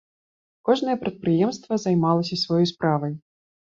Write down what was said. Кожнае прадпрыемства займалася сваёй справай.